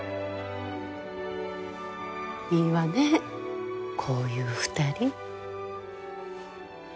いいわねこういう２人。